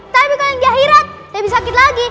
tapi kalau yang di akhirat lebih sakit lagi